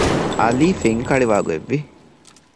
ޢަލީ ފެންކަޅިވާގޮތް ވި